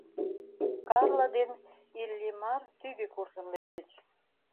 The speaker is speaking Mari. Карла ден Иллимар тӱгӧ куржын лектыч.